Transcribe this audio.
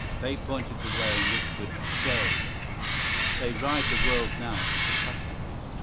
They pointed the way and whispered "Go!" They ride the world now to catastrophe.